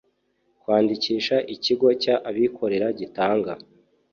kwandikisha ikigo cy abikorera gitanga